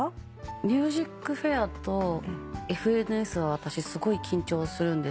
『ＭＵＳＩＣＦＡＩＲ』と『ＦＮＳ』は私すごい緊張するんですよ。